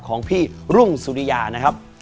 ของพี่รุ่งสุริยานะครับ